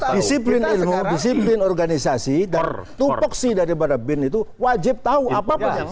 disiplin ilmu disiplin organisasi dan tupuksi daripada bin itu wajib tahu apa apa yang ada